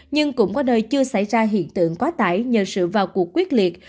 nhưng cũng có nơi chưa xảy ra hiện tượng quá tải nhờ sự vào cuộc quyết liệt